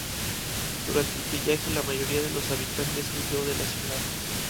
Durante el pillaje la mayoría de los habitantes huyó de la ciudad.